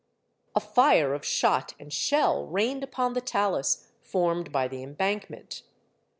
A fire of shot and shell rained upon the talus formed by the embankment.